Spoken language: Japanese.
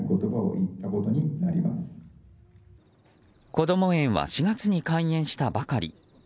こども園は４月に開園したばかり。